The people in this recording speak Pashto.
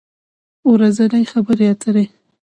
ورځنۍ خبری اتری